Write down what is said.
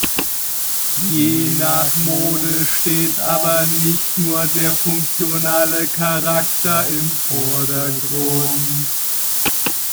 Je nach Mode steht aber nicht nur der funktionale Charakter im Vordergrund.